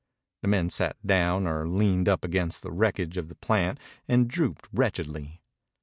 The men sat down or leaned up against the wreckage of the plant and drooped wretchedly.